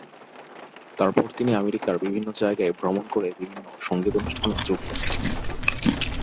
তার পর তিনি আমেরিকার বিভিন্ন জায়গায় ভ্রমণ করে বিভিন্ন সঙ্গীত অনুষ্ঠানে যোগ দেন।